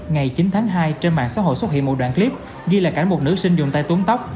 ngày chín tháng hai trên mạng xã hội xuất hiện một đoạn clip ghi lại cảnh một nữ sinh dùng tay tốn tóc